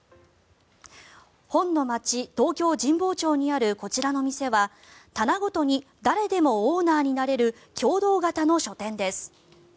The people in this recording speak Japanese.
本の街、東京・神保町にあるこちらの店は棚ごとに誰でもオーナーになれる共同型の書店です。